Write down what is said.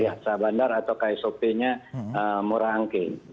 ya syah bandar atau ksop nya muara angke